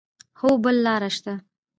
هو، بل لار شته